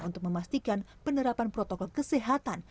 untuk memastikan penerapan protokol kesehatan